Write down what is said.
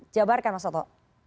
jawabarkan mas toto